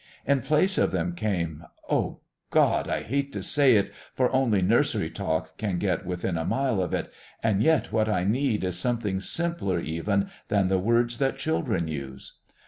In place of them came oh, God, I hate to say it, for only nursery talk can get within a mile of it, and yet what I need is something simpler even than the words that children use.